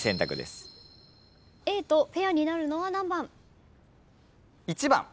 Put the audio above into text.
Ａとペアになるのは何番？